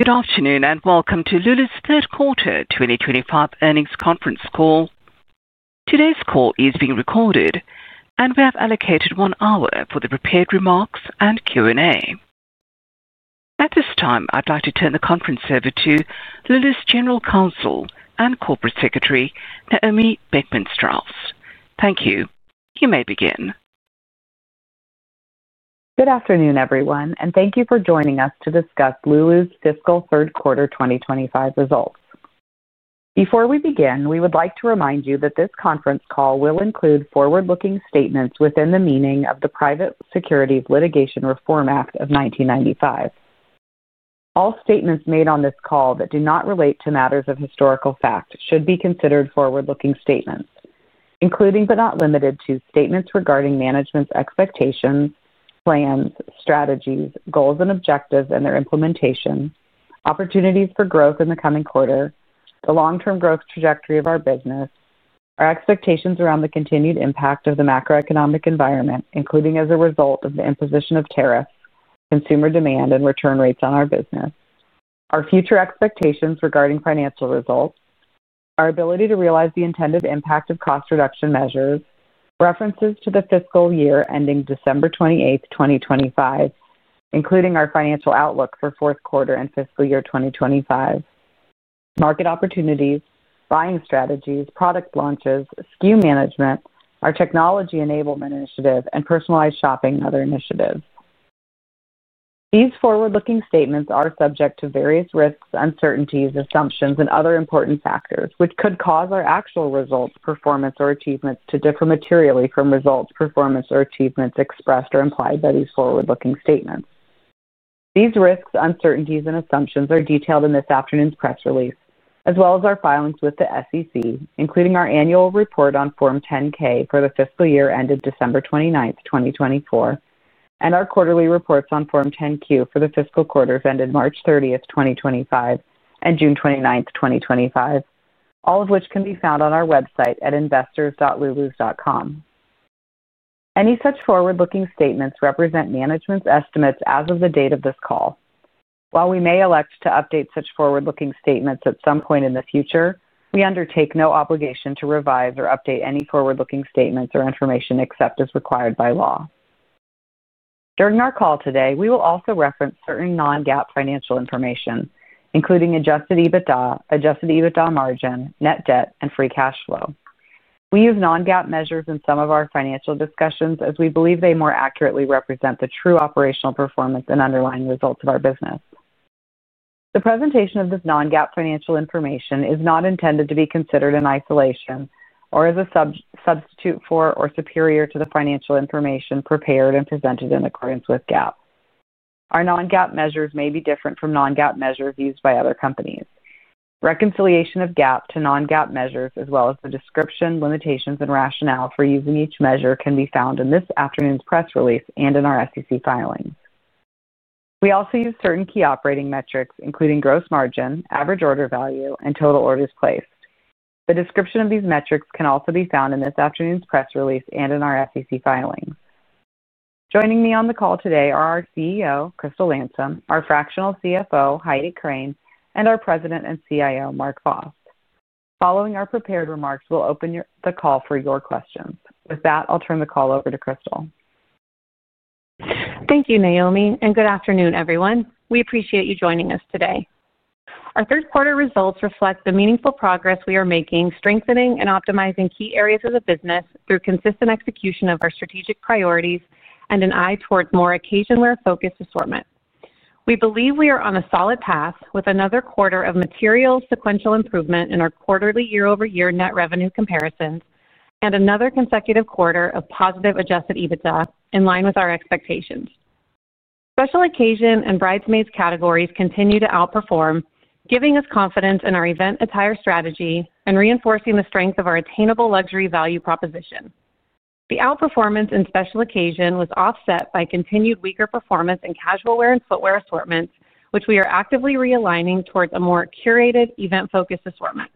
Good afternoon and welcome to Lulu's third quarter 2025 earnings conference call. Today's call is being recorded, and we have allocated one hour for the prepared remarks and Q&A. At this time, I'd like to turn the conference over to Lulu's General Counsel and Corporate Secretary, Naomi Beckman-Straus. Thank you. You may begin. Good afternoon, everyone, and thank you for joining us to discuss Lulu's Fiscal Third Quarter 2025 results. Before we begin, we would like to remind you that this conference call will include forward-looking statements within the meaning of the Private Securities Litigation Reform Act of 1995. All statements made on this call that do not relate to matters of historical fact should be considered forward-looking statements, including but not limited to statements regarding management's expectations, plans, strategies, goals, and objectives and their implementation, opportunities for growth in the coming quarter, the long-term growth trajectory of our business, our expectations around the continued impact of the macroeconomic environment, including as a result of the imposition of tariffs, consumer demand, and return rates on our business, our future expectations regarding financial results, our ability to realize the intended impact of cost reduction measures, references to the fiscal year ending December 28th, 2025, including our financial outlook for fourth quarter and fiscal year 2025, market opportunities, buying strategies, product launches, SKU management, our technology enablement initiative, and personalized shopping and other initiatives. These forward-looking statements are subject to various risks, uncertainties, assumptions, and other important factors which could cause our actual results, performance, or achievements to differ materially from results, performance, or achievements expressed or implied by these forward-looking statements. These risks, uncertainties, and assumptions are detailed in this afternoon's press release, as well as our filings with the SEC, including our annual report on Form 10-K for the fiscal year ended December 29th, 2024, and our quarterly reports on Form 10-Q for the fiscal quarters ended March 30th, 2025, and June 29th, 2025, all of which can be found on our website at investors.lulus.com. Any such forward-looking statements represent management's estimates as of the date of this call. While we may elect to update such forward-looking statements at some point in the future, we undertake no obligation to revise or update any forward-looking statements or information except as required by law. During our call today, we will also reference certain non-GAAP financial information, including adjusted EBITDA, adjusted EBITDA margin, net debt, and free cash flow. We use non-GAAP measures in some of our financial discussions as we believe they more accurately represent the true operational performance and underlying results of our business. The presentation of this non-GAAP financial information is not intended to be considered in isolation or as a substitute for or superior to the financial information prepared and presented in accordance with GAAP. Our non-GAAP measures may be different from non-GAAP measures used by other companies. Reconciliation of GAAP to non-GAAP measures, as well as the description, limitations, and rationale for using each measure, can be found in this afternoon's press release and in our SEC filings. We also use certain key operating metrics, including gross margin, average order value, and total orders placed. The description of these metrics can also be found in this afternoon's press release and in our SEC filings. Joining me on the call today are our CEO, Crystal Landsem, our Fractional CFO, Heidi Crane, and our President and CIO, Marc Vos. Following our prepared remarks, we'll open the call for your questions. With that, I'll turn the call over to Crystal. Thank you, Naomi, and good afternoon, everyone. We appreciate you joining us today. Our third quarter results reflect the meaningful progress we are making, strengthening and optimizing key areas of the business through consistent execution of our strategic priorities and an eye towards more occasionally focused assortment. We believe we are on a solid path with another quarter of material sequential improvement in our quarterly year-over-year net revenue comparisons and another consecutive quarter of positive adjusted EBITDA in line with our expectations. Special occasion and bridesmaids categories continue to outperform, giving us confidence in our event attire strategy and reinforcing the strength of our attainable luxury value proposition. The outperformance in special occasion was offset by continued weaker performance in casual wear and footwear assortments, which we are actively realigning towards a more curated event-focused assortment.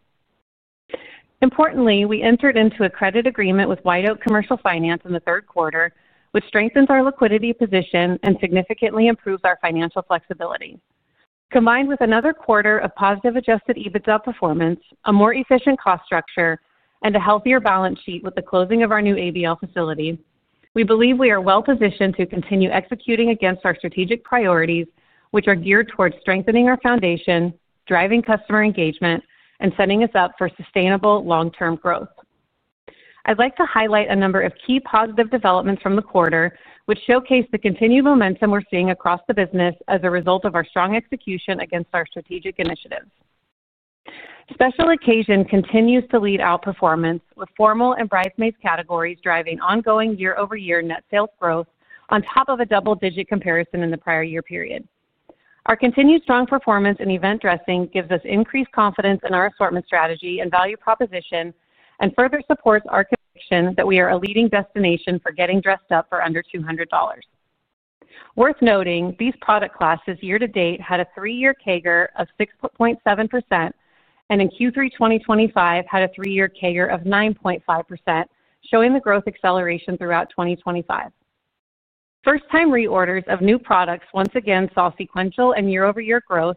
Importantly, we entered into a credit agreement with White Oak Commercial Finance in the third quarter, which strengthens our liquidity position and significantly improves our financial flexibility. Combined with another quarter of positive adjusted EBITDA performance, a more efficient cost structure, and a healthier balance sheet with the closing of our new ABL facility, we believe we are well-positioned to continue executing against our strategic priorities, which are geared towards strengthening our foundation, driving customer engagement, and setting us up for sustainable long-term growth. I'd like to highlight a number of key positive developments from the quarter, which showcase the continued momentum we're seeing across the business as a result of our strong execution against our strategic initiatives. Special occasion continues to lead outperformance, with formal and bridesmaid categories driving ongoing year-over-year net sales growth on top of a double-digit comparison in the prior year period. Our continued strong performance in event dressing gives us increased confidence in our assortment strategy and value proposition and further supports our conviction that we are a leading destination for getting dressed up for under $200. Worth noting, these product classes year to date had a three-year CAGR of 6.7% and in Q3 2025 had a three-year CAGR of 9.5%, showing the growth acceleration throughout 2025. First-time reorders of new products once again saw sequential and year-over-year growth.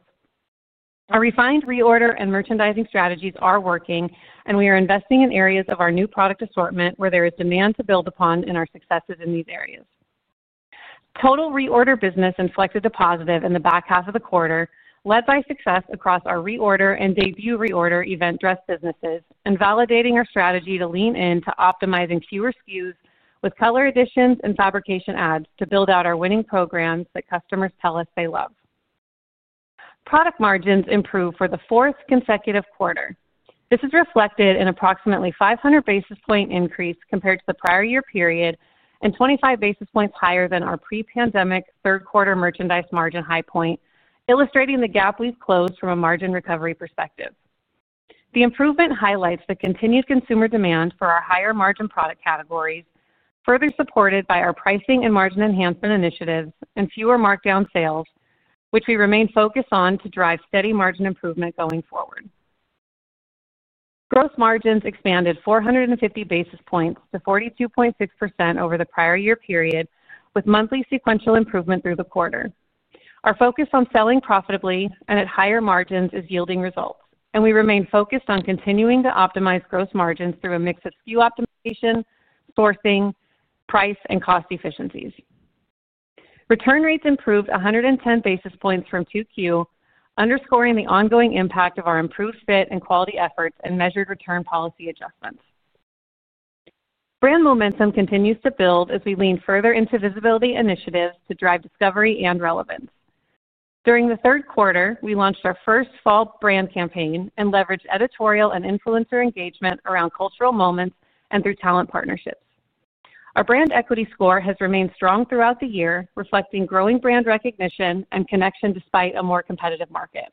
Our refined reorder and merchandising strategies are working, and we are investing in areas of our new product assortment where there is demand to build upon in our successes in these areas. Total reorder business inflected a positive in the back half of the quarter, led by success across our reorder and debut reorder event dress businesses and validating our strategy to lean into optimizing fewer SKUs with color additions and fabrication ads to build out our winning programs that customers tell us they love. Product margins improved for the fourth consecutive quarter. This is reflected in approximately 500 basis point increase compared to the prior year period and 25 basis points higher than our pre-pandemic third quarter merchandise margin high point, illustrating the gap we've closed from a margin recovery perspective. The improvement highlights the continued consumer demand for our higher margin product categories, further supported by our pricing and margin enhancement initiatives and fewer markdown sales, which we remain focused on to drive steady margin improvement going forward. Gross margins expanded 450 basis points to 42.6% over the prior year period, with monthly sequential improvement through the quarter. Our focus on selling profitably and at higher margins is yielding results, and we remain focused on continuing to optimize gross margins through a mix of SKU optimization, sourcing, price, and cost efficiencies. Return rates improved 110 basis points from Q2, underscoring the ongoing impact of our improved fit and quality efforts and measured return policy adjustments. Brand momentum continues to build as we lean further into visibility initiatives to drive discovery and relevance. During the third quarter, we launched our first fall brand campaign and leveraged editorial and influencer engagement around cultural moments and through talent partnerships. Our brand equity score has remained strong throughout the year, reflecting growing brand recognition and connection despite a more competitive market.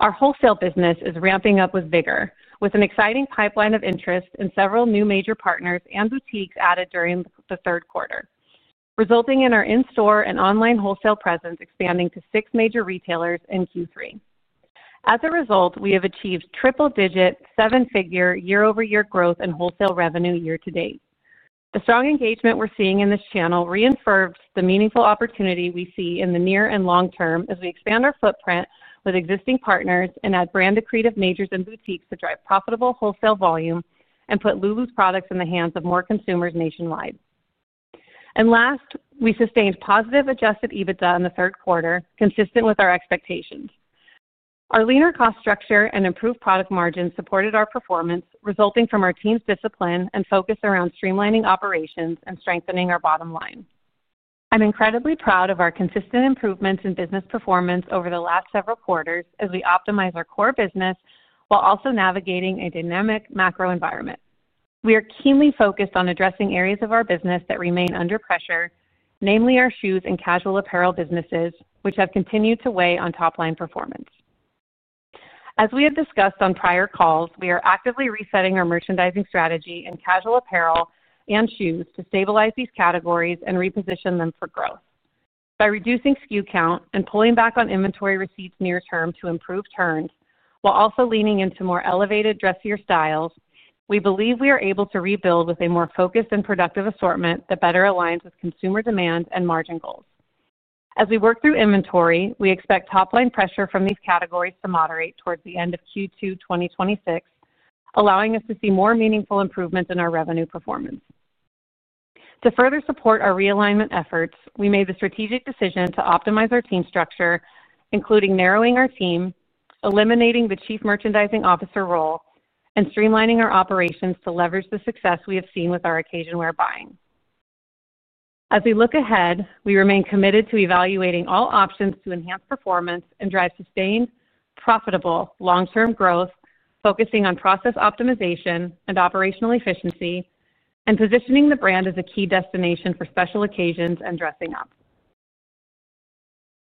Our wholesale business is ramping up with vigor, with an exciting pipeline of interest and several new major partners and boutiques added during the third quarter, resulting in our in-store and online wholesale presence expanding to six major retailers in Q3. As a result, we have achieved triple-digit, seven-figure year-over-year growth in wholesale revenue year to date. The strong engagement we're seeing in this channel reinferred the meaningful opportunity we see in the near and long term as we expand our footprint with existing partners and add brand accretive majors and boutiques to drive profitable wholesale volume and put Lulu's products in the hands of more consumers nationwide. Last, we sustained positive adjusted EBITDA in the third quarter, consistent with our expectations. Our leaner cost structure and improved product margins supported our performance, resulting from our team's discipline and focus around streamlining operations and strengthening our bottom line. I'm incredibly proud of our consistent improvements in business performance over the last several quarters as we optimize our core business while also navigating a dynamic macro environment. We are keenly focused on addressing areas of our business that remain under pressure, namely our shoes and casual apparel businesses, which have continued to weigh on top-line performance. As we have discussed on prior calls, we are actively resetting our merchandising strategy in casual apparel and shoes to stabilize these categories and reposition them for growth. By reducing SKU count and pulling back on inventory receipts near term to improve turns, while also leaning into more elevated dressier styles, we believe we are able to rebuild with a more focused and productive assortment that better aligns with consumer demand and margin goals. As we work through inventory, we expect top-line pressure from these categories to moderate towards the end of Q2 2026, allowing us to see more meaningful improvements in our revenue performance. To further support our realignment efforts, we made the strategic decision to optimize our team structure, including narrowing our team, eliminating the Chief Merchandising Officer role, and streamlining our operations to leverage the success we have seen with our occasion wear buying. As we look ahead, we remain committed to evaluating all options to enhance performance and drive sustained, profitable, long-term growth, focusing on process optimization and operational efficiency, and positioning the brand as a key destination for special occasions and dressing up.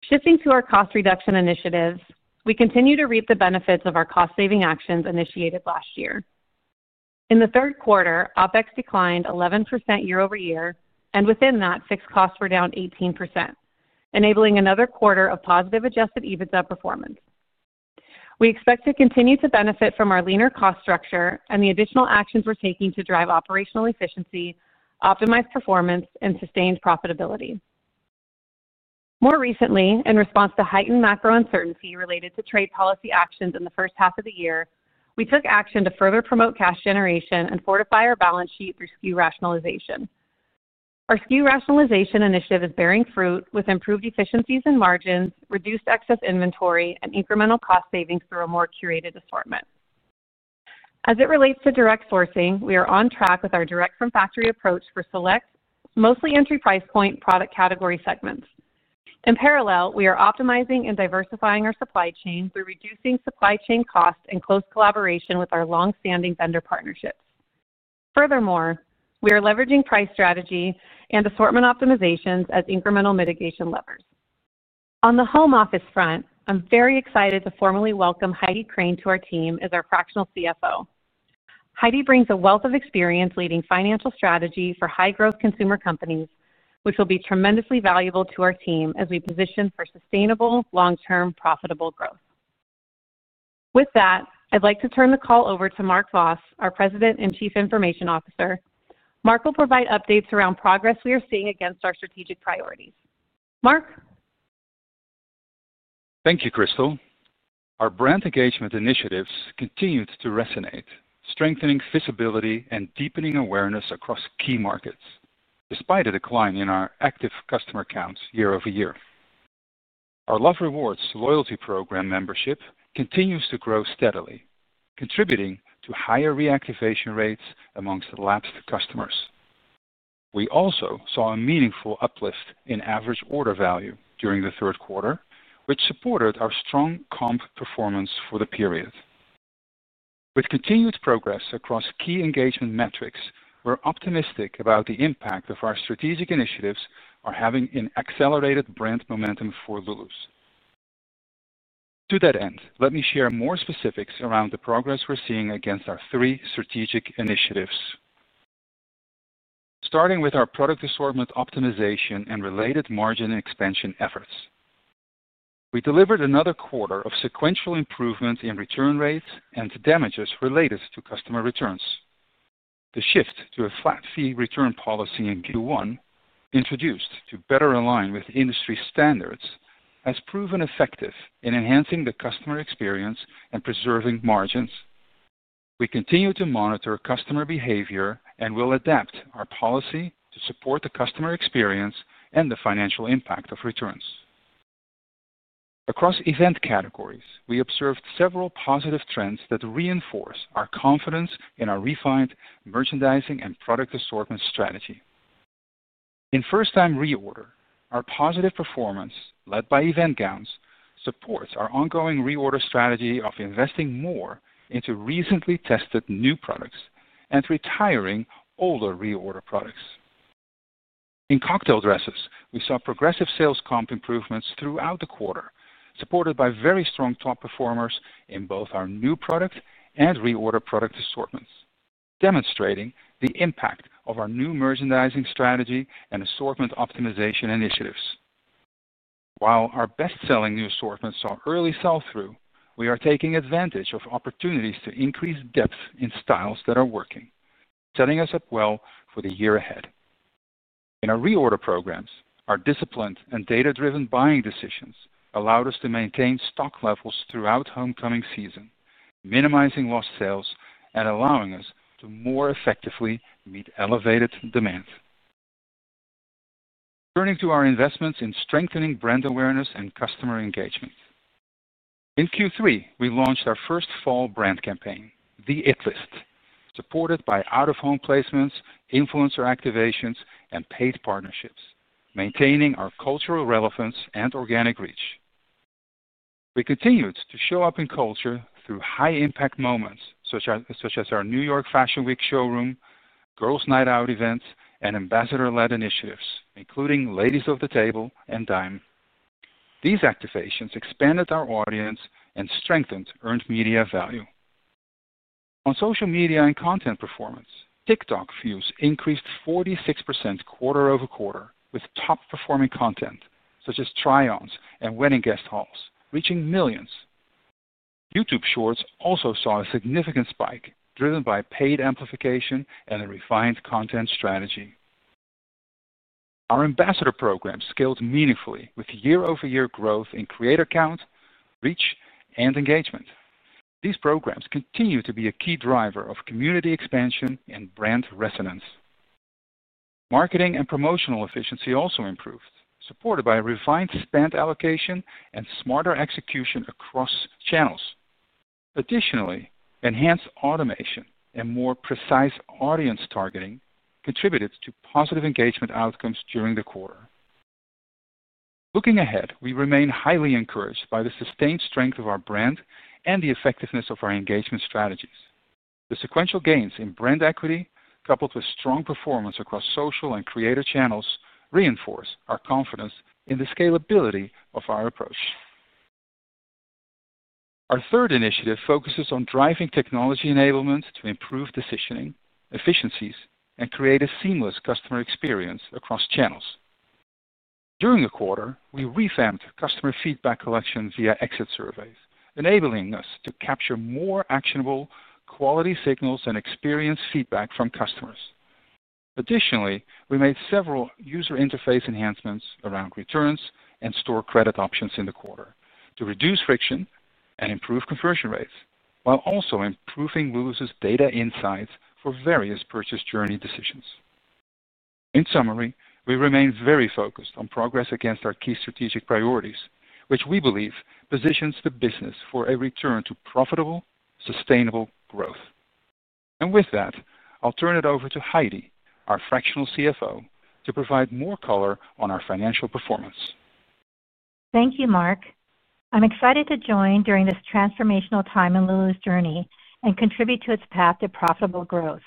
Shifting to our cost reduction initiatives, we continue to reap the benefits of our cost-saving actions initiated last year. In the third quarter, OPEX declined 11% year-over-year, and within that, fixed costs were down 18%, enabling another quarter of positive adjusted EBITDA performance. We expect to continue to benefit from our leaner cost structure and the additional actions we're taking to drive operational efficiency, optimize performance, and sustained profitability. More recently, in response to heightened macro uncertainty related to trade policy actions in the first half of the year, we took action to further promote cash generation and fortify our balance sheet through SKU rationalization. Our SKU rationalization initiative is bearing fruit with improved efficiencies in margins, reduced excess inventory, and incremental cost savings through a more curated assortment. As it relates to direct sourcing, we are on track with our direct-from-factory approach for select, mostly entry price point product category segments. In parallel, we are optimizing and diversifying our supply chain through reducing supply chain costs and close collaboration with our long-standing vendor partnerships. Furthermore, we are leveraging price strategy and assortment optimizations as incremental mitigation levers. On the home office front, I'm very excited to formally welcome Heidi Crane to our team as our fractional CFO. Heidi brings a wealth of experience leading financial strategy for high-growth consumer companies, which will be tremendously valuable to our team as we position for sustainable, long-term, profitable growth. With that, I'd like to turn the call over to Marc Vos, our President and Chief Information Officer. Marc will provide updates around progress we are seeing against our strategic priorities. Marc? Thank you, Crystal. Our brand engagement initiatives continued to resonate, strengthening visibility and deepening awareness across key markets, despite a decline in our active customer counts year-over-year. Our Love Rewards Loyalty Program membership continues to grow steadily, contributing to higher reactivation rates amongst elapsed customers. We also saw a meaningful uplift in average order value during the third quarter, which supported our strong comp performance for the period. With continued progress across key engagement metrics, we're optimistic about the impact our strategic initiatives are having in accelerated brand momentum for Lulu's. To that end, let me share more specifics around the progress we're seeing against our three strategic initiatives. Starting with our product assortment optimization and related margin expansion efforts. We delivered another quarter of sequential improvements in return rates and damages related to customer returns. The shift to a flat fee return policy in Q1, introduced to better align with industry standards, has proven effective in enhancing the customer experience and preserving margins. We continue to monitor customer behavior and will adapt our policy to support the customer experience and the financial impact of returns. Across event categories, we observed several positive trends that reinforce our confidence in our refined merchandising and product assortment strategy. In first-time reorder, our positive performance, led by event gowns, supports our ongoing reorder strategy of investing more into recently tested new products and retiring older reorder products. In cocktail dresses, we saw progressive sales comp improvements throughout the quarter, supported by very strong top performers in both our new product and reorder product assortments, demonstrating the impact of our new merchandising strategy and assortment optimization initiatives. While our best-selling new assortments saw early sell-through, we are taking advantage of opportunities to increase depth in styles that are working, setting us up well for the year ahead. In our reorder programs, our disciplined and data-driven buying decisions allowed us to maintain stock levels throughout homecoming season, minimizing lost sales and allowing us to more effectively meet elevated demand. Turning to our investments in strengthening brand awareness and customer engagement. In Q3, we launched our first fall brand campaign, The It List, supported by out-of-home placements, influencer activations, and paid partnerships, maintaining our cultural relevance and organic reach. We continued to show up in culture through high-impact moments such as our New York Fashion Week showroom, girls' night out events, and ambassador-led initiatives, including Ladies of the Table and Dime. These activations expanded our audience and strengthened earned media value. On social media and content performance, TikTok views increased 46% quarter-over-quarter with top-performing content such as try-ons and wedding guest hauls, reaching millions. YouTube Shorts also saw a significant spike driven by paid amplification and a refined content strategy. Our ambassador programs scaled meaningfully with year-over-year growth in creator count, reach, and engagement. These programs continue to be a key driver of community expansion and brand resonance. Marketing and promotional efficiency also improved, supported by refined spend allocation and smarter execution across channels. Additionally, enhanced automation and more precise audience targeting contributed to positive engagement outcomes during the quarter. Looking ahead, we remain highly encouraged by the sustained strength of our brand and the effectiveness of our engagement strategies. The sequential gains in brand equity, coupled with strong performance across social and creator channels, reinforce our confidence in the scalability of our approach. Our third initiative focuses on driving technology enablement to improve decisioning efficiencies and create a seamless customer experience across channels. During the quarter, we revamped customer feedback collection via exit surveys, enabling us to capture more actionable quality signals and experience feedback from customers. Additionally, we made several user interface enhancements around returns and store credit options in the quarter to reduce friction and improve conversion rates, while also improving Lulu's data insights for various purchase journey decisions. In summary, we remain very focused on progress against our key strategic priorities, which we believe positions the business for a return to profitable, sustainable growth. With that, I'll turn it over to Heidi, our Fractional CFO, to provide more color on our financial performance. Thank you, Marc. I'm excited to join during this transformational time in Lulu's journey and contribute to its path to profitable growth.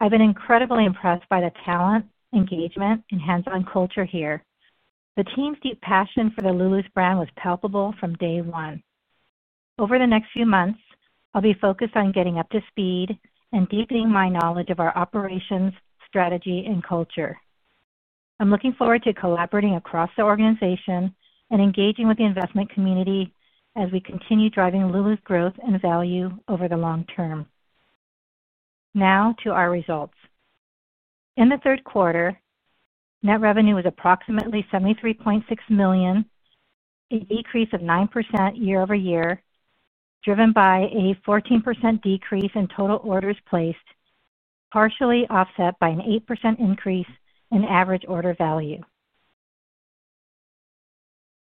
I've been incredibly impressed by the talent, engagement, and hands-on culture here. The team's deep passion for the Lulu's brand was palpable from day one. Over the next few months, I'll be focused on getting up to speed and deepening my knowledge of our operations, strategy, and culture. I'm looking forward to collaborating across the organization and engaging with the investment community as we continue driving Lulu's growth and value over the long term. Now to our results. In the third quarter, net revenue was approximately $73.6 million, a decrease of 9% year-over-year, driven by a 14% decrease in total orders placed, partially offset by an 8% increase in average order value.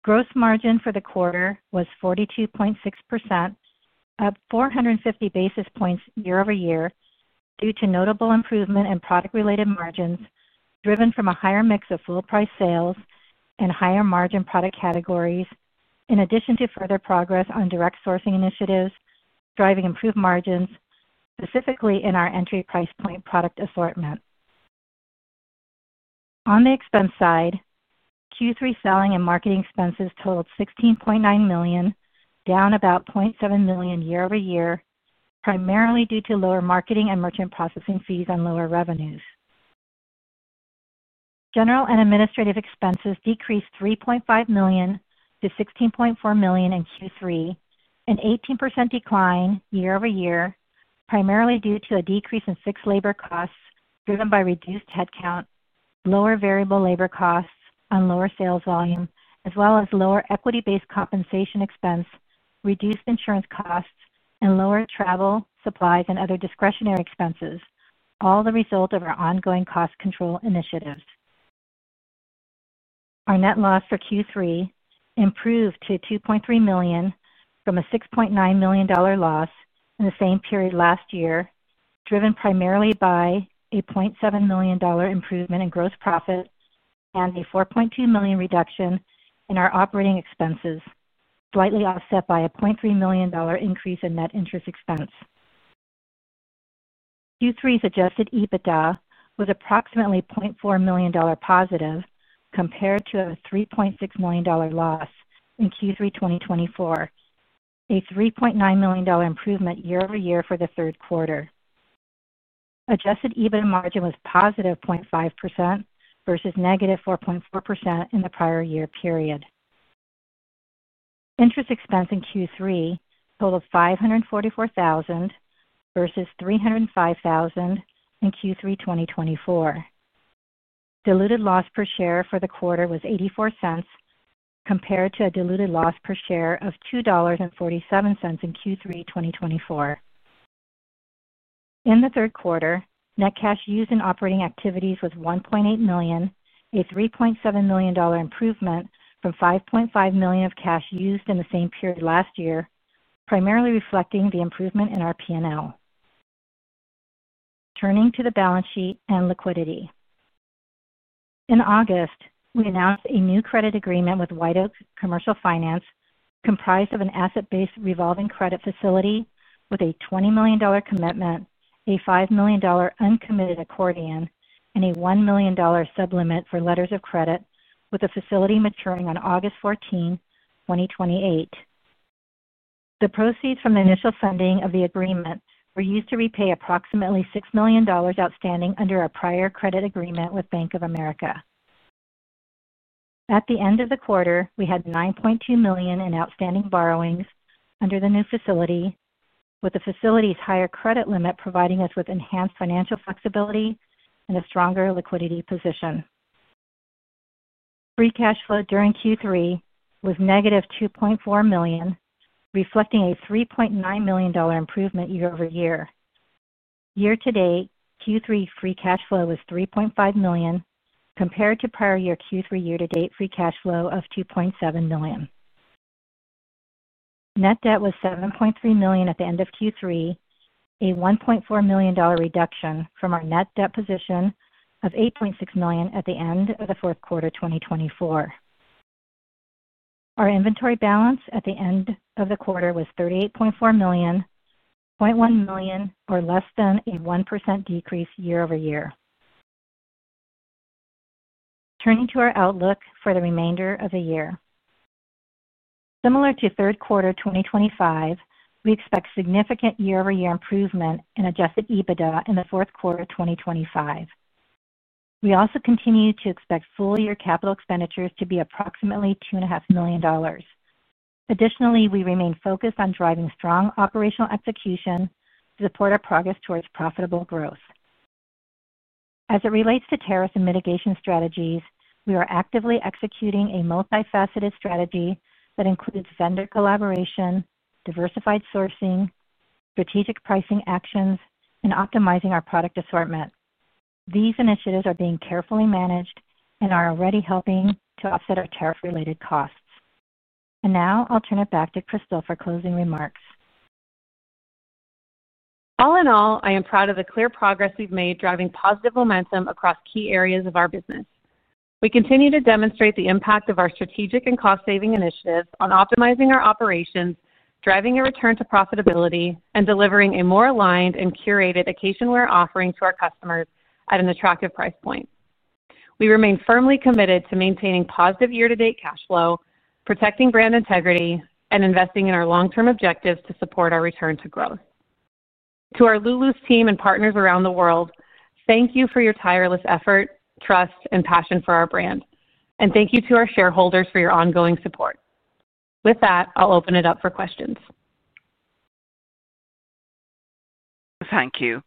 Gross margin for the quarter was 42.6%, up 450 basis points year-over-year due to notable improvement in product-related margins driven from a higher mix of full-price sales and higher margin product categories, in addition to further progress on direct sourcing initiatives driving improved margins, specifically in our entry price point product assortment. On the expense side, Q3 selling and marketing expenses totaled $16.9 million, down about $0.7 million year-over-year, primarily due to lower marketing and merchant processing fees and lower revenues. General and administrative expenses decreased $3.5 million to $16.4 million in Q3, an 18% decline year-over-year, primarily due to a decrease in fixed labor costs driven by reduced head count, lower variable labor costs and lower sales volume, as well as lower equity-based compensation expense, reduced insurance costs, and lower travel, supplies, and other discretionary expenses, all the result of our ongoing cost control initiatives. Our net loss for Q3 improved to $2.3 million from a $6.9 million loss in the same period last year, driven primarily by a $0.7 million improvement in gross profit and a $4.2 million reduction in our operating expenses, slightly offset by a $0.3 million increase in net interest expense. Q3's adjusted EBITDA was approximately $0.4 million positive compared to a $3.6 million loss in Q3 2023, a $3.9 million improvement year-over-year for the third quarter. Adjusted EBITDA margin was positive 0.5% versus negative 4.4% in the prior year period. Interest expense in Q3 totaled $544,000 versus $305,000 in Q3 2023. Diluted loss per share for the quarter was $0.84 compared to a diluted loss per share of $2.47 in Q3 2023. In the third quarter, net cash used in operating activities was $1.8 million, a $3.7 million improvement from $5.5 million of cash used in the same period last year, primarily reflecting the improvement in our P&L. Turning to the balance sheet and liquidity. In August, we announced a new credit agreement with White Oak Commercial Finance, comprised of an asset-based revolving credit facility with a $20 million commitment, a $5 million uncommitted accordion, and a $1 million sublimit for letters of credit, with the facility maturing on August 14, 2028. The proceeds from the initial funding of the agreement were used to repay approximately $6 million outstanding under our prior credit agreement with Bank of America. At the end of the quarter, we had $9.2 million in outstanding borrowings under the new facility, with the facility's higher credit limit providing us with enhanced financial flexibility and a stronger liquidity position. Free cash flow during Q3 was negative $2.4 million, reflecting a $3.9 million improvement year-over-year. Year-to-date, Q3 free cash flow was $3.5 million, compared to prior year Q3 year-to-date free cash flow of $2.7 million. Net debt was $7.3 million at the end of Q3, a $1.4 million reduction from our net debt position of $8.6 million at the end of the fourth quarter 2024. Our inventory balance at the end of the quarter was $38.4 million, $0.1 million, or less than a 1% decrease year-over-year. Turning to our outlook for the remainder of the year. Similar to third quarter 2025, we expect significant year-over-year improvement in adjusted EBITDA in the fourth quarter 2025. We also continue to expect full-year capital expenditures to be approximately $2.5 million. Additionally, we remain focused on driving strong operational execution to support our progress towards profitable growth. As it relates to tariffs and mitigation strategies, we are actively executing a multifaceted strategy that includes vendor collaboration, diversified sourcing, strategic pricing actions, and optimizing our product assortment. These initiatives are being carefully managed and are already helping to offset our tariff-related costs. I will turn it back to Crystal for closing remarks. All in all, I am proud of the clear progress we've made, driving positive momentum across key areas of our business. We continue to demonstrate the impact of our strategic and cost-saving initiatives on optimizing our operations, driving a return to profitability, and delivering a more aligned and curated occasion wear offering to our customers at an attractive price point. We remain firmly committed to maintaining positive year-to-date cash flow, protecting brand integrity, and investing in our long-term objectives to support our return to growth. To our Lulu's team and partners around the world, thank you for your tireless effort, trust, and passion for our brand. Thank you to our shareholders for your ongoing support. With that, I'll open it up for questions. Thank you.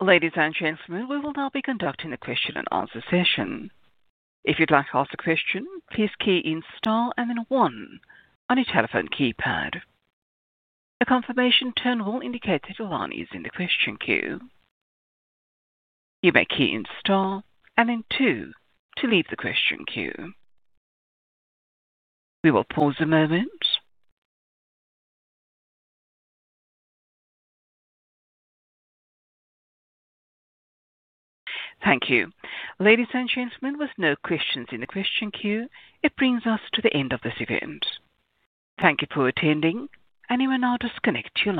Ladies and gentlemen, we will now be conducting the question and answer session. If you'd like to ask a question, please key in STAR and then 1 on your telephone keypad. A confirmation tone will indicate that your line is in the question queue. You may key in STAR and then 2 to leave the question queue. We will pause a moment. Thank you. Ladies and gentlemen, with no questions in the question queue, it brings us to the end of this event. Thank you for attending, and you may now disconnect your line.